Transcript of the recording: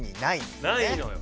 ないのよ！